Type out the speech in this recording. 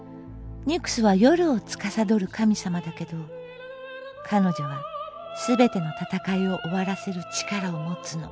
ニュクスは夜を司る神様だけど彼女は全ての戦いを終わらせる力を持つの。